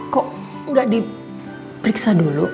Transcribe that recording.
kok gak diperiksa dulu